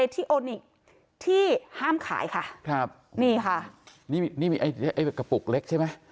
ที่โอนิกที่ห้ามขายค่ะครับนี่ค่ะนี่นี่มีไอ้ไอ้กระปุกเล็กใช่ไหม